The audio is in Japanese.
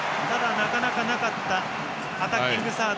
なかなかなかったアタッキングサード。